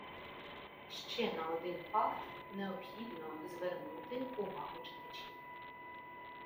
Ще на один факт необхідно звернути увагу читачів